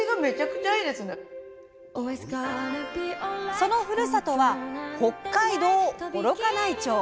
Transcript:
そのふるさとは北海道・幌加内町。